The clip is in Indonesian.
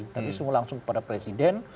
tapi semua langsung kepada presiden